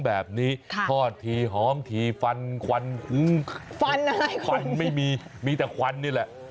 ฟังถี่ฟันควันฟันไม่มีมีแต่ควันนี่แหละ